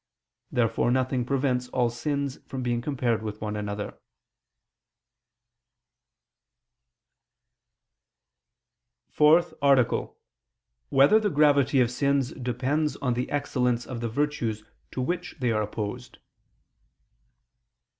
Therefore nothing prevents all sins from being compared with one another. ________________________ FOURTH ARTICLE [I II, Q. 73, Art. 4] Whether the Gravity of Sins Depends on the Excellence of the Virtues to Which They Are Opposed?